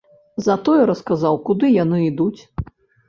Затое расказаў, куды яны ідуць.